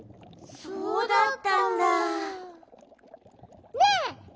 そうだったんだ。ねえ！